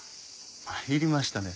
参りましたね。